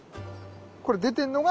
これ出てんのが？